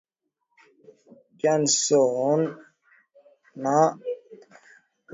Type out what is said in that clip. jonassohn na bjørnson waliyakosoa baadhi ya matokeo ya utafiti